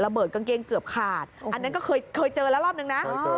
ระเบิดกางเกงเกือบขาดนั่นก็เคยเจอละรอบหนึ่งนะ